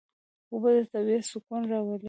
اوبه د طبیعت سکون راولي.